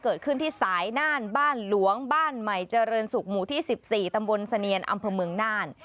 เกิดขึ้นที่สายน่านบ้านหลวงบ้านใหม่เจริญศุกร์หมู่ที่๑๔ตำบลเสนียนอำเภอเมืองน่าน